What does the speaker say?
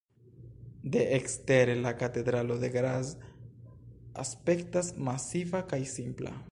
De ekstere la katedralo de Graz aspektas masiva kaj simpla.